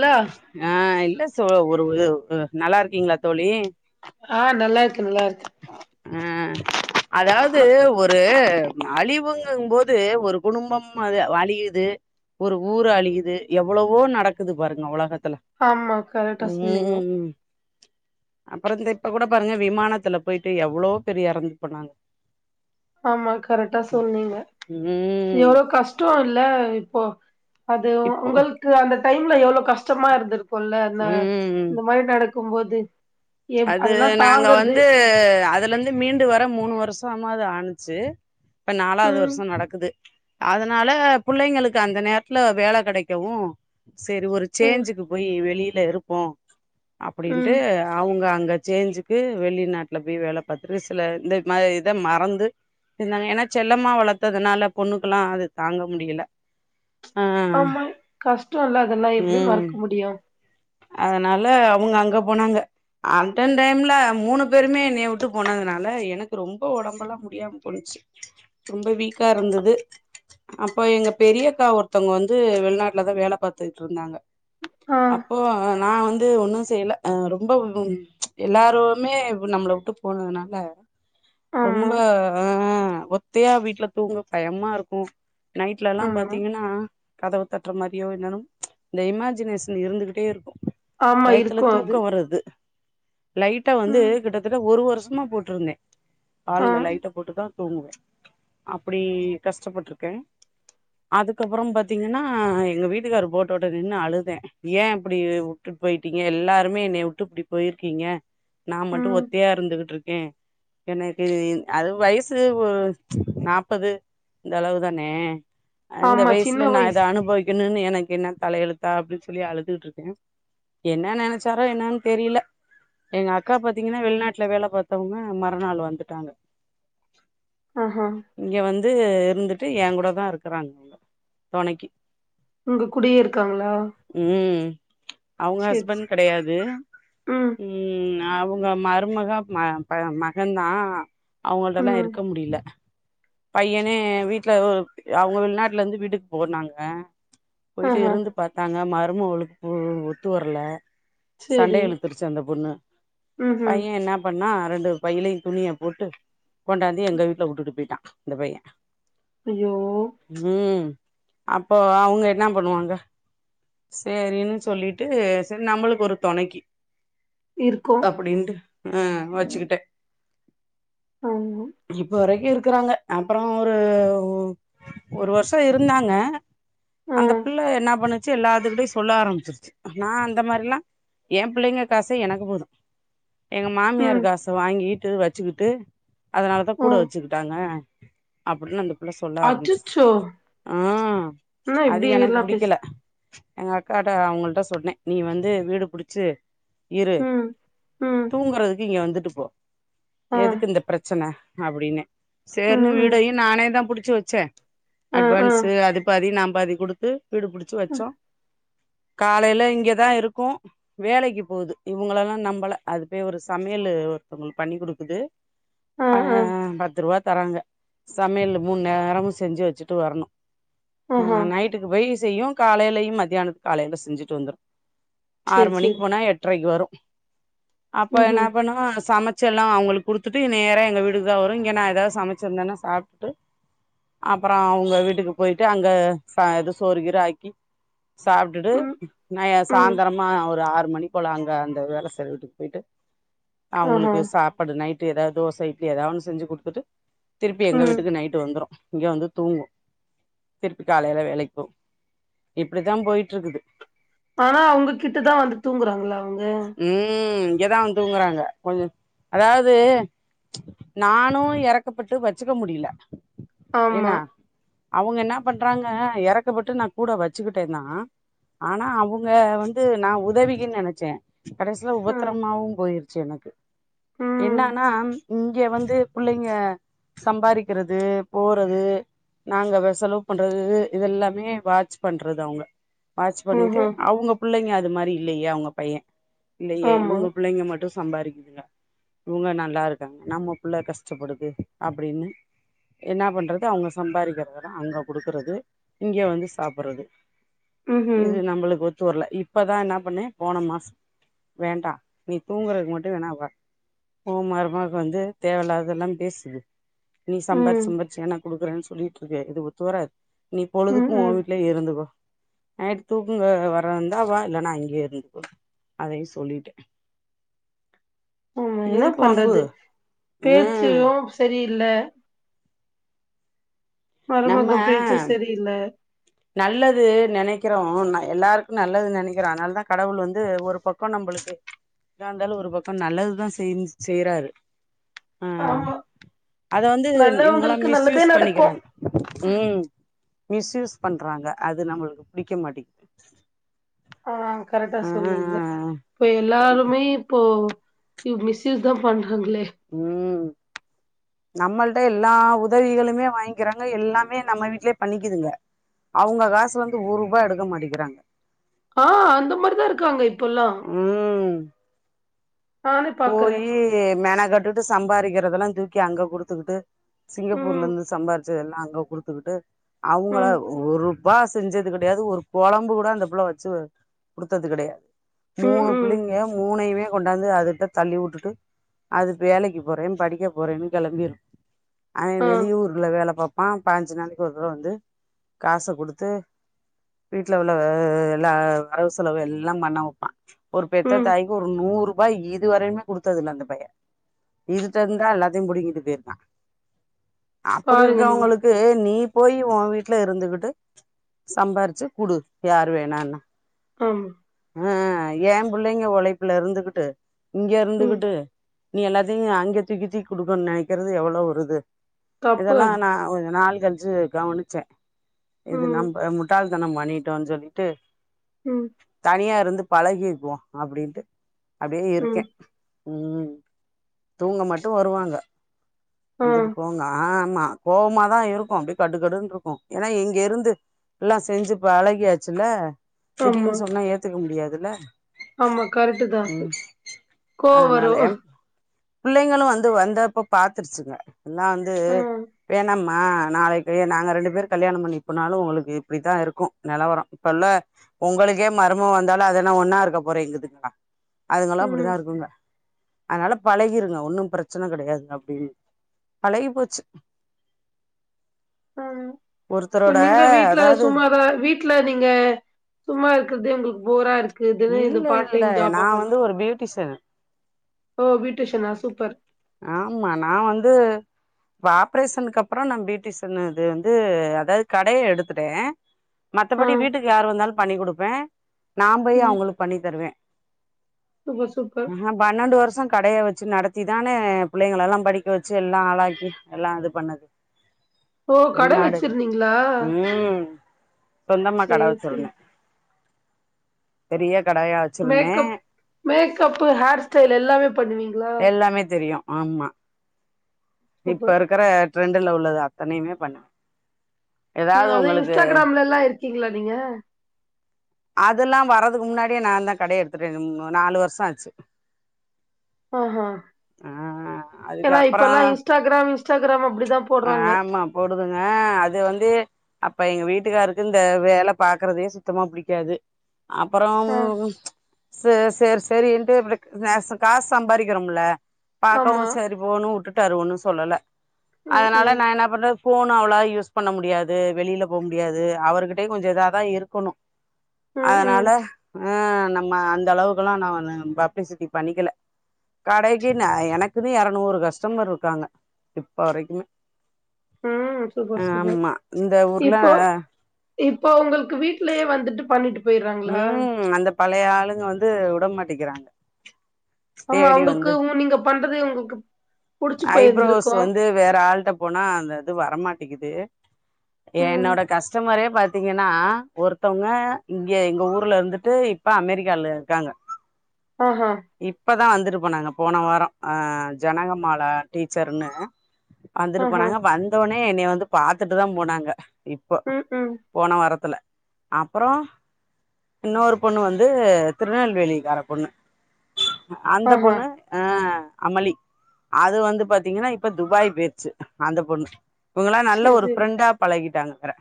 Hello ஆ இல்ல so ஒரு நல்லா இருக்கீங்ளா தோழி ஆ நல்லா இருக்க நல்லா இருக்க ஆ அதாவது ஒரு அழிவுங்க போது ஒரு குடும்பம் அது அழியுது ஒரு ஊரு அழியுது எவ்வளவோ நடக்குது பாருங்க ஒலகத்துல ஆமா கரெக்டா சொன்னீங்க ம் அப்பறம் இந்த இப்ப கூட பாருங்க விமானத்துல போயிட்டு எவ்ளவோ பேரு எறந்து போனாங்க ஆமா கரெக்டா சொன்னீங்க ம் எவ்ள கஷ்டம் இல்ல இப்போ அது இப்போ உங்களுக்கு அந்த டைம்ல எவ்ள கஷ்டமா இருந்திருக்கும்ல்ல இந்த ம் இந்த மாரி நடக்கு கும்போது அது நாங்க வந்து அதுலந்து மீண்டு வர மூணு வருஷமாது ஆனுச்சு இப்ப நாலாவது ம் வருஷம் நடக்குது அதனால புள்ளைங்களுக்கு அந்த நேரத்துல வேல கெடைக்கவு சேரி ஒரு ம் சேஞ்சுக்கு போயி வெளில இருப்போ அப்டின்ட்டு ம் அவுங்க அங்க சேஞ்சுக்கு வெளிநாட்டுல போய் வேல பாத்துட் சில இந்த மாரி இத மறந்து இதா ஏனா செல்லமா வளத்ததுனால பொண்ணுக்கல்லா அது தாங்க முடியல ஆ ஆமா கஷ்டோல்ல அதல்லா எப்டி ம் மறக்க முடியு அதனால அவுங்க அங்க போனாங்க அன்டன் டைம்ல மூணு பேருமே என்னய உட்டு போனதுனால எனக்கு ரொம்ப ஒடம்பல்லா முடியாம போணுச்சி ரொம்ப வீக்கா இருந்துது அப்போ எங்க பெரியக்கா ஒருத்தங்க வந்து வெளிநாட்டுலதா வேல பாத்துகுட்டுருந்தாங்க ஆ அப்போ நா வந்து ஒன்னு செய்யல அ ரொம்ப எல்லருமே நம்பள உட்டு போனதுனால ஆமா ரொம்ப ஆ ஒத்தையா வீட்ல தூங்க பயமா இருக்கும் நைட்லல்லாம் ஆமா பாத்தீங்கன்னா கதவ தட்ற மாரியோ என்னென்வோ இந்த இமஜினேசன் இருந்துகிட்டே இருக்கும் ஆமா பயத்துல இருக்கு அது தூக்கம் வர்றது லைட்ட வந்து ம் கிட்டத்தட்ட ஒரு வருஷமா போட்ருந்தேன் ஆ ஆல்ல லைட்ட போட்டுதா தூங்குவே அப்டி கஷ்டப்பட்டுருக்கேன் அதுக்கப்பறம் பாத்தீங்கன்னா எங்க வீட்டுக்கார் போட்டோட்ட நின்னு அழுதேன் ஏன் இப்டி உட்டுட்டு போயிட்டீங்க எல்லாருமே என்னைய உட்டு இப்டி போயிருக்கீங்க நா மட்டு ம் ஒத்தையா இருந்துகுட்ருக்கேன் எனக்கு அது வயசு ஒ நாப்பது இந்த அளவு தானே அந்த ஆமா சின்ன வயசுல நா இத வயசு அனுபவிக் கனுனு எனக்கு என்ன தலையெழுத்தா அப்டின் சொல்லி அழுதுகுட்ருக்கேன் என்ன நெனச்சாரோ என்னனு தெரில எங்க அக்கா பாத்தீங்கன்னா வெளிநாட்ல வேல பாத்தவங்க மறுநாள் வந்துட்டாங்க ஆஹ இங்கே வந்து இருந்துட்டு என் கூடதா இருக்குறாங்க தொணைக்கி உங்கக்கூடியே இருக்காங்களா ம் அவுங்க சேரி ஹஸ்பண்ட் சேரி கடையாது ம் அவுங்க மருமக ம மகன்ந்தா அவுங்கள்ட்டல்லா ம் இருக்க முடில பையனே வீட்ல அவுங்க வெள்நாட்லந்து வீட்டுக்கு போன்னாங்க போயிட்டு ஆஹா இருந்து பாத்தாங்க மருமவுளுக்கு ஒத்து வர்ல சரி. சண்ட இழுத்துருச்சு அந்த பொண்ணு ம்ஹ்ம். பையன் என்ன பண்ணா ரண்டு பையிலையு துணிய போட்டு கொண்டாந்து எங்க வீட்ல உட்டுட்டு போயிட்டான் இந்த பையன் ஐயோ ம் அப்போ அவுங்க என்ன பண்ணுவாங்க சேரின்னு சொல்லிட்டு செரி நம்மளுக்கு ஒரு தொனக்கி இருக்கு அப்டின்ட்டு ஆ வெச்சுக்கிட்டேன் ஆமா இப்போ வரைக்கு இருக்குறாங்க அப்றோ ஒரு ஒரு வருஷோ இருந்தாங்க ஆ, அந்த பிள்ள என்னா பண்ணுச்சு எல்லாதுக்கிட்டயு சொல்ல ஆரம்பிச்சிருச்சு நா அந்த மாரில்லா என் பிள்ளைங்க காசே எனக்கு போது எங்க மாமியார் ம், காச வாங்கிட்டு வெச்சுக்கிட்டு அதனாலதா ஆ. கூட வெச்சுக்கிட்டாங்க அப்டின்னு அந்த புள்ள சொல்ல ஆரம்பிச்சிருச்சு அச்சச்சோ! ஆ என்ன அது எனக்கு இப்படியெல்லாம் பேசு புடிக்கல எங்க அக்காட்ட அவுங்கள்ட்ட சொன்ன நீ வந்து வீடு புடுச்சு இரு ம், ம், தூங்கறதுக்கு இங்க வந்துட்டு போ ஆ, எதுக்கு இந்த பிரச்சன அப்டின்னு சேர்னு ம், ம். வீடையு நானேதா புடுச்சு வெச்ச ஆ, ஆ, அட்வான்ஸ் அது பாதி நா பாதி குடுத்து வீடுபிடுச்சு ம், வெச்சோ காலைல இங்கதா இருக்கு வேலைக்கு போகுது இவங்களயெல்லா நம்பல அது போய் ஒரு சமையலூ ஒருத்தவங்களுக்கு பண்ணி குடுக்குது ஆ பத்து ரூபா தராங்க சமையலு மூண் நேரமு செஞ்சு வெச்சுட்டு வரணு ஆஹா. ஆ நைட்டுக்கு போய் செய்யு காலைலயையும் மதியாதானத்துக்கு காலையில செஞ்சுட்டு வந்துரு ஆறு சரி, மணிக்கு சரி. போனா எட்டரைக்கு வரு அப்ப என்னா ம்ஹ்ம். பண்ணுவா சம ச்சு எல்லா அவுங்களுக்கு குடுத்துட்டு நேரா எங்க வீட்டுக்குதா வரு இங்க நா எதாவது சமச்சிருந்தனா சாப்ட்டு அப்றோ அவுங்க வீட்டுக்கு போயிட்டு அங்க ச சோறு கீரு ஆ சாப்ட்டுட்டு ம், ந ம். சாய்ந்திரமா ஒரு ஆறு மணிக்கு போலாங்க அந்த வேல செய்ற வீட்டுக்கு போயிட்டு ஆஹா. அவுங்களுக்கு சா ப்பாடு நைட்டு் எதாவது தோச இட்லி எதாவது ஒன்னு செஞ்சு குடுத்துட்டு திருப்பி எங்க ம். வீட்டுக்கு நைட்டு வந்துரு இங்க வந்து தூங்கு திருப்பி காலைல வேலைக்கு போவு இப்டிதான் போயிட்டு இருக்குது ஆனா அவுங்ககிட்டதா வந்து தூங்கறாங்ளா அவுங்க ம் இங்கதா வந்து தூங்கறாங்க கொஞ்சோ அதாவுது நானு எறக்கப்பட்டு வெச்சுக்க முடில என்ன ஆமா. அவுங்க என்னா பண்றாங்க எறக்கப்பட்டு நா கூட வெச்சுக்கிட்டேனா ஆனா அவுங்க வந்து நா உதவிகினு நெனச்சேன் கடைசில ம், உபத்திரமாவும் போயிருச்சு எனக்கு ம். என்னானா இங்க வந்து புள்ளைங்க சம்பாரிக்கிறது போறது நாங்க வெ செலவு பண்றது இது எல்லாமே வாட்ச் பண்றது அவுங்க வாட்ச் பண்ணிட்டு ம்ஹ்ம். அவுங்க புள்ளைங்க அது மாரி இல்லையே அவுங்க பையன் இல்லையே ஆமா. இவுங்க புள்ளைங்க மட்டு சம்பாறிக்குதுங்க இவுங்க நல்லா இருக்காங்க நம்ம புள்ள கஷ்டப்படுது அப்டின்னு என்னா பண்றது அவுங்க சம்பாரிக்கறதல்லா அங்க குடுக்கறது இங்க வந்து சாப்பறது ம்ஹ்ம். இது நம்மளுக்கு ஒத்து வர்ல இப்பதா என்னா பண்ண போன மாசோ வேண்டா நீ தூங்கறதுக்கு மட்டு வேணா வா உன் மருமக வந்து தேவயில்லாதெல்லா பேசுது நீ ம், சம்பாரிச்சு சம்பாரிச்சு எனக்கு குடுக்கறன்னு சொல்லிட்டு இருக்கு இது ஒத்து வராது நீ ம், பொழுதுக்கு ம். உன் வீட்லயே இருந்துகோ நைட்டு தூக்குங்க வர இருந்தா வா இல்லனா அங்யே இருந்துக்கோ அதையும் சொல்லிட்ட ஆமா என்ன பண்றது ம் பேச்சும் சரியில்ல மருமக நம்ம பேச்சும் சரியில்ல நல்லது நினைக்கிறோ எல்லாருக்கும் நல்லது நினைக்கிறோ அதனால தா கடவுள் வந்து ஒரு பக்கொ நம்மளுக்கு எதா இருந்தாலும் ஒரு பக்கொ நல்லதுதா செய் செய்யறாரு ஆ ஆமா அத வந்து இவங்களா நல்லவங்களுக்கு நல்லதே மிஸ்யூஸ் நடக்கு பண்ணிக்கிறாங்க உம் மிஸ்யூஸ் பண்றாங்க அது நம்மளுக்கு பிடிக்க மாட்டிங் ஆ கரெக்டா ஆ சொன்னீங்க இப்போ எல்லாருமே இப்போ இவ் மிஸ்யூஸ் தா பன்றிங்களே உம் நம்மள்ட எல்லா உதவிகளுமே வாங்கிக்கிறாங்க எல்லாமே நம்ம வீட்லயே பண்ணிக்குதுங்க அவுங்க காசுல இருந்து ஒரு ரூபா எடுக்க மாட்டிங்கிறாங்க ஆ அந்த மாரிதா இருக்காங்க இப்பல்லாம் ம் நானே பாக்குறே போயி மென கட்டுட்டு சம்பாதிக்கிறதெல்லாம் தூக்கி அங்க குடுத்துக்கிட்டு சிங்கப்பூர்ல ம் இருந்து சம்பாதிச்சத எல்லாம் அங்க குடுத்துக்கிட்டு அவங்கள ம் ஒருபா செஞ்சது கடயாது ஒரு குலம்பு கூட அந்த புள்ள வச்சு குடுத்தது கடையாது ம் மூணு ம் புள்ளிங்க மூணையுமே கொண்டாந்து அதுகிட்ட தள்ளி வுட்டுட்டு அது வேலைக்கு போறே படிக்க போறேன்னு கிளம்பியிரு அவே ஆ வெளி ஊர்ல வெல பாப்பா பாஞ்சு நாளைக்கு ஒரு தடவ வந்து காச குடுத்து வீட்டுல உள்ள எல்லா வரவு செலவு எல்லா பண்ண வைப்பா ஒரு பெத்த ம் தாய்கு ஒரு நூறு ரூபா இ இது வரையுமே கொடுத்தது இல்ல அந்த பைய இதுகிட்டருந்துதா எல்லாத்தயு புடிங்கிட்டு போயிருக்கா அப்டி பாருங்க நீங்க இருக்கோங்கலுக்கு நீ போய் ஒ வீட்டுல இருந்துகிட்டு சம்பாரிச்சு குடு யாரு வேனா னா ஆமா அ ஏ பிள்ளைங்க ஒலைப்புல இருந்துகிட்டு இங்க ம் இருந்துகிட்டு நீ எல்லாத்தையு அங்க தூக்கி தூக்கி கொடுக்கனு நனக்கிறது எவ்ளோ ஒரு இது தப்பு இதெல்லா அது நா கொஞ்சோ நாள் கலிச்சு கவனிச்ச இது ம் நம்ம முட்டாள் தனொ பண்ணிட்டோம்னு சொல்லிட்டு ம் தனியா இருந்து பழகிக்குவோ அப்டின்ட்டு அப்படியே ம் இருக்கே ம் தூங்க மட்டும் வருவாங்க ஆ வந்துட்டு போங்க ஆமா கோவமாதா இருக்கும் அப்டியே கடுக்கடுன்னு இருக்கும் ஏன்னா இங்க இருந்து எல்லாம் செஞ்சு பழகியாச்சில ஆமா திடீர்னு சொன்னா ஏத்துக்க முடியாதுல ஆமா கரெக்ட்டு தா கோவ வரு அதனால பிள்ளைங்களும் வந்து வந்தப்ப பாத்துருச்சுங்க எல்லா வந்து ஆ வேணாம் மா நாளைக்கி நாங்க ரெண்டு பேர் கல்யாணம் பண்ணி போனாலு உங்களுக்கு இப்டித்தா இருக்கு நலவரோ இப்பல்ல ஒங்களுக்கே மர்மவா வந்தாலு அதெல்லா ஒன்னா இருக்க போறேங்குதலா அதுங்கல்லா ம் அப்டித்தா இருக்குங்க அதனால பழகிறுங்க ஒன்னு பிரச்சன கிடயாதுங்க அப்டின்னு பழகி போச்சு ஹம் இப்ப ஒருத்தரோட நீங்க வீட்டு்ல அதாவது சும்மாதா வீட் வீட்ல நீங்க சும்மா இருக்கதே உங்களுக்கு போரா இருக் குதுகுன் இதுவே இல்ல பார்ட் இல்ல டையிம் ஜாப் நா வந்து பண்றிங்க ஒரு பியூட்டிஷியன் ஓ பீயுடிஷனா சூப்பர் ஆமா நா வந்து இப்ப ஆப்ரேஸனுக்கு அப்புறோ நா பியூட்டிஷின் இது வந்து அதாது கடைய எடுத்திட்ட ஆ மத்தபடி வீட்டுக்கு யாரு வந்தாலு பண்ணி குடுப்ப நா போயி ம் அவுங்களுக் பண்ணி தருவ சூப்பர் சூப்பர் அ பன்னண்டு வருஷோ கடய வெச்சு நடத்திதா என்ன எ புள்ளைங்களலா படிக்க வெச்சி எல்லா ஆளாக்கி எல்லா இது பண்ணது ஓ கட வெள்நாடு வச்சிருந்தீங்களா ம் சொந்தமா கட சேரி சேரி வெச்சிருந்த பெரிய கடயா மேக்கப் மேக்கப்பு ஹேர் ஸ்டைல் எல்லாமே பண்ணுவீங்ளா எல்லாமே தெரியு ஆம்மா இப்ப சூப்பர் இருக்கிற ட்ரெண்டுல உள்ளது அத்தனையுமே பண்ணுவ ம் அது இன்ஸ்டாகிராம்லெல்லா இருக்கீங்களா நீங்க அதெல்லா வரதுக்கு முன்னாடியே நா தா கடய எடுத்திட்டனே நாலு வருஷோ ஆச்சி ஆ ஆ ஆ அதுக்கு ஏனா அப்புறோ இப்பல்லா இன்ஸ்டாகிராம் இன்ஸ்டாகிராம் அப்டிதா போடுறாங்க ஆமா போடுதுங்க அது வந்து அப்ப எங்க வீட்டுக்காருக்கு இந்த வேல பாக்குறதே சுத்தமா புடிக்காது அப்பறோ ஆ ம் ச சேர் சேரியின்ட்டு அப்ற நேச காசு சம்பாக்ஷிக்கிறோமில ஆமா பாக்கவு செரி போனு வுட்டுடாரு ஒன்னு சொல்லல ம் அதனால ம் நா என்ன பண்ற ஃபோனு அவளா யூஸ் பண்ண முடியாது வெளியில போ முடியாது அவருகிட்டயு கொஞ்சோ இததா இருக்கணு ம் ம் அதனால அ நம்ம அந்த அளவுக்ககெல்லா நானு பப்ளிசிட்டி பண்ணிக்கில கடைக் கினு எனக்குன்னு எறநூறு கஸ்டமர் இருக்காங்க இப்ப வரைக்குமே ம் சூப்பர் சூப்பர் ஆம்மா இந்த ஊர்ல இப்போ இப்போ உங்களுக்கு வீட்லயே வந்துட்டு பண்ணிட்டு போயிர்றாங்களா? ம் அந்த பழைய ஆளுங்க வந்து உடமாட்டிக்கிறாங்க ஆமா அவுங்களுக்கு உ நீங்க பண்றது அவ்ங்ளுக்கு புடிச்சி ஐப்ரோஸ் போயிருந்திர்க்கோ வந்து வேற ஆள்ட்ட போனா அந்தயிது வரமாட்டிக்கிது ம். என்னோட கஸ்டமரே பாத் தீங்கன்னா ஒருத்தவ்ங்க இங்க எங்க ஊர்ல இருந்துட்டு இப்ப அமெரிக்கால இர்க்காங்க ஆஹா இப்பதா வந்துட்டு போனங்க போன வாரோ ஆ ஜனகமால டீச்சர்ன்னு வந்துட்டு ஆஹா. போனாங்க வந்தோனே என்னைய வந்து பாத்துட்டுதா போனாங்க இப்போ ம் ம் போன வாரத்துல அப்பறோ இன்னொரு பொண்ணு வந்து திருநெல்வேலிக்கார பொண்ணு அந்த ஆஹா. பொண்ணு அ அமளி அது வந்து பாத்தீங்கன்னா இப்ப துபாய் பேய்ர்ச்சி அந்த பொண்ணு இவங்களா நல்ல சரி, ஒரு சரி. ஃப்ரெண்டா பழகிட்டாங்க வேற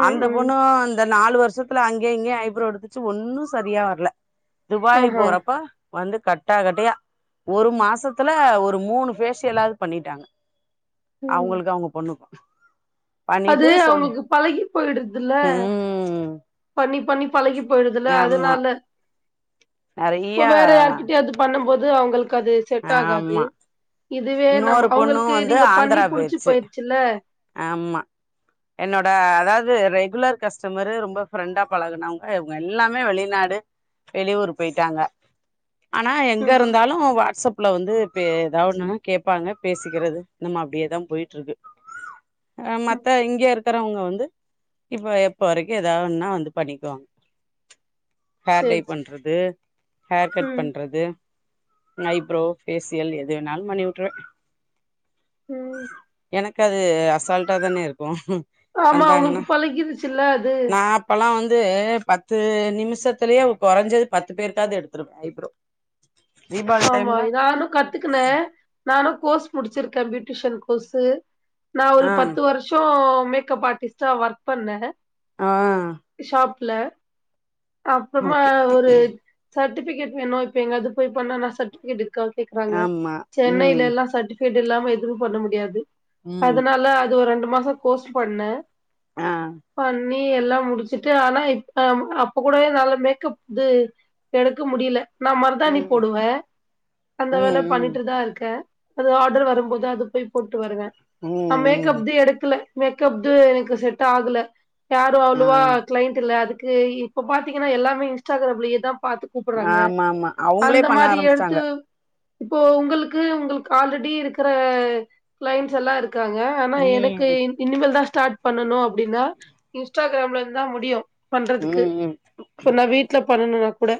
ம், அந்த ம். பொண்ணு இந்த நாலு வருஷத் துல அங்க்யு இங்யு ஐப்ரோ எடுத்துச்சு ஒன்னு சரியா வரல துபாய் ஆஹா. போறப்ப வந்து கட்டா கட்டயா ஒரு மாசத்துல ஒரு மூணு பேஷியலாவ் பண்ணிட்டாங்க ம். அவுங்களுக்கு அவுங்க பொண்ணுக்கோ அது அவுங்ளுக்கு பழகி போய்டுதுல்ல ம் பண்ணி பண்ணி பழகி போய்டுதுல ஆமா அதுனால நெறைய ப்போ வேற யார்கிட்டயாவ்து பண்ணும் போது அவுங்களுக்கது செட்டாகாது ஆமா இதுவே நம் இன்னொரு பொண்ணு அவுங்களுக்கு வந்து நீங்க பண்ணி ஆந்திரா புடிச்சி போயிருச்சு போய்ர்ச்சில்ல ஆமா என்னோட அதாவ்து ரெகுலர் கஸ்டமரு ரொம்ப ஃப்ரெண்டா பழகுனவங்க இவங்க எல்லாமே வெளிநாடு வெளிவூரு போய்ட்டாங்க ஆனா ம்ஹ்ம். எங்கயிருந்தாலு வாட்ஸ்அப் அப்ல வந்து பே எதாவ்வொன்னு கேப்பாங்க பேசிக்கறது நம்ம அப்டியேதா போய்ட்ருக்கு அ மத்த ம். இங்க இருக்கறவங்க வந்து இப்ப எப்ப வரிக்கு எதா ஒன்னா வந்து பண்ணிக்வாங்க ஹேர் டை சரி, சரி. பண்றது ஹேர் கட் ம், பண்றது நைப்ரோ ஃபேசியல் எது வேணாலு பண்ணிவுற்றுவ ம் எனக்கு அது அசால்ட்டா தானயிருக்கு ஆமா அவுங்ளுக்கு பழகிருச்சுல்ல அது நா அப்பல்லா வந்து பத்து நிமிஷத்துலயே கொறஞ்சது பத்து பேருக்காவ்து எடுத்துர்வ ஐப்ரோ தீபாவளி ஆமா டைம்ல இதானு கத் துக்குன நானு கோஸ் முடிச்சிர்க்க பியூட்டிஷன் கோஸ்சு நா ஒரு ஆ பத்து வர்ஷ் ஷோ மேக்கப் ஆட்டிஸ்ட்டா வெர்க் பண்ண ஆ ஷாப்ல அப்றமா ஓகே ஒரு சர்ட்டிஃபிக்கேட் வேணு இப்ப எங்கவ்து போய் பண்ணா நா சட்டிஃபிக்கேட் இருக்கா கேக்குறாங்க ஆமா ம் சென்னைலலா சர்ட்டிஃபி கேட் இல்லாம எதுமே பண்ண முடியாது ம் அதனால அது ஒரு ரெண்டு மாசோ கோஸ் பண்ண ஆ பண்ணி எல்லா முடிச்சிட்டு ஆனா இப் அம் அப்பகூட என்னால மேக்கப் இது எடுக்க முடில நா மர்தாணி ம் போடுவ அந்த ம் வேல ம் பண்ணிட்ருந் தா இருக்கே அது ஆடர் வரும்போது அது போய் போட்டு வருவ நா ம் ம் மேக்கப்து எடுக்கல மேக்கப்து எனக்கு செட்டாகுல யாரு ஆ அவ்ளோவா க்ளைண்டுல்ல அதுக்கு இ இப்ப பாத்தீங்கனா எல்லாமே இன்ஸ்டாகிராம்லயேதா பாத்து ஆமா ஆமா அவங்களே பண்ண அந்தமாரி ஆரம்பிச்சிட்டாங்க எடுத்து இப்போ உங்குளுக்கு உங்குளுக்கு ஆல்ரெடி இருக்கற க்ளைண்ட்ஸலா இரு க்காங்க ஆனா எனக்கு ம் இன் இனிமேல்தா ஸ்டார்ட் பண்ணணு அப்டினா இன்ஸ்டாகிராம்ல இருந்தா முடியு பண்றதுக்கு ம் ம் இப்ப நா வீட்ல பண்ணணுனாகூட